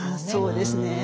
そうですね。